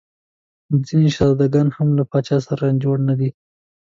ځیني شهزاده ګان هم له پاچا سره جوړ نه دي.